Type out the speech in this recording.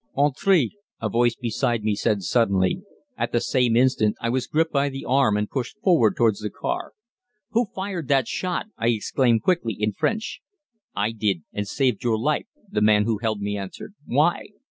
"Entrez" a voice beside me said suddenly. At the same instant I was gripped by the arm and pushed forward towards the car. "Who fired that shot?" I exclaimed quickly, in French. "I did and saved your life," the man who held me answered. "Why?"